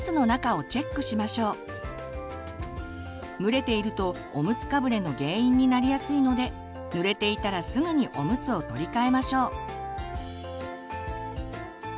まずは蒸れているとおむつかぶれの原因になりやすいので濡れていたらすぐにおむつを取り替えましょう。